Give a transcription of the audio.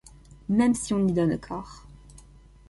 Même si on y donne corps.